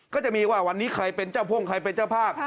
ก็จะมีว่าวันนี้ใครเป็นเจ้าพ่งใครเป็นเจ้าภาพ